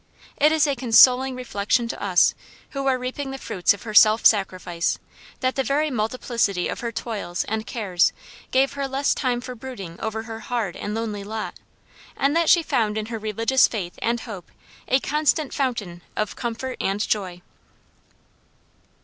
It is a consoling reflection to us who are reaping the fruits of her self sacrifice that the very multiplicity of her toils and cares gave her less time for brooding over her hard and lonely lot, and that she found in her religious faith and hope a constant fountain of comfort and joy.